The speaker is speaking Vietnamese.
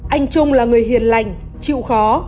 anh trung là người hiền lành chịu khó